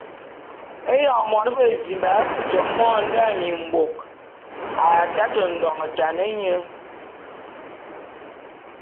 Éyoñ mône bezimba a futi môt nda mimbôk, a taté ndometan nye.